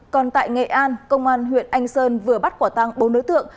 còn tại nghệ an công an huyện anh sơn vừa bắt quả tăng bốn đối tượng